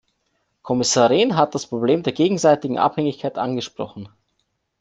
Kommissar Rehn hat das Problem der gegenseitigen Abhängigkeit angesprochen.